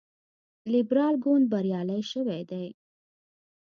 لیبرال ګوند بریالی شوی دی.